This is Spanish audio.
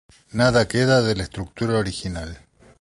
Nada queda de la estructura original.